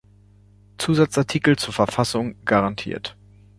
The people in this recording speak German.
Zusatzartikels zur Verfassung garantiert.